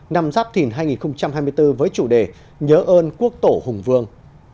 năm giáp thìn hai nghìn hai mươi bốn với chủ đề nhớ ơn quốc tổ hùng vương